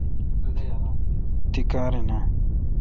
تی کار این اؘ